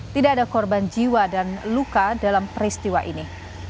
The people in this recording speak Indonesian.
tidak ada korban jiwa dan luka dalam peristiwa ini